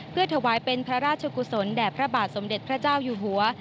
เพื่อถวายเป็นพระราชกุศลแด่พระบาทสมเด็จพระเจ้าอยู่หัว